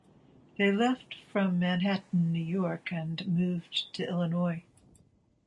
They left from Manhattan, New York and moved to Illinois.